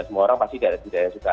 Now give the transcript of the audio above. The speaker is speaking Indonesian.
semua orang pasti tidak yang suka